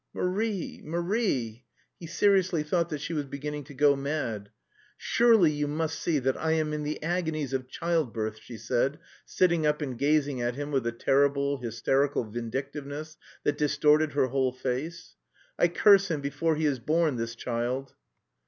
"Marie, Marie!" He seriously thought that she was beginning to go mad. "Surely you must see that I am in the agonies of childbirth," she said, sitting up and gazing at him with a terrible, hysterical vindictiveness that distorted her whole face. "I curse him before he is born, this child!"